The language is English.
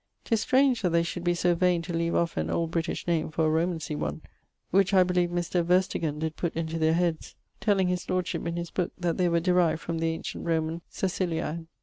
'Tis strange that they should be so vaine to leave off an old British name for a Romancy one, which I beleeve Mr. Verstegan did putt into their heads, telling his lordship, in his booke, that they were derived from the ancient Roman Cecilii.